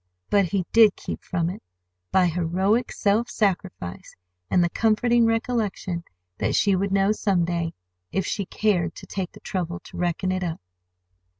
But he did keep from it—by heroic self sacrifice and the comforting recollection that she would know some day, if she cared to take the trouble to reckon it up.